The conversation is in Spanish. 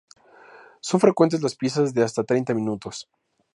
Son frecuentes las piezas de hasta treinta minutos.